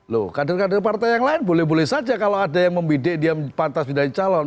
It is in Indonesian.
loh kader kader partai yang lain boleh boleh saja kalau ada yang membidik dia pantas menjadi calon